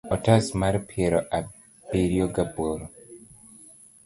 otas mar piero abiriyo ga boro